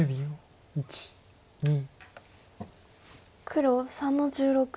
黒３の十六。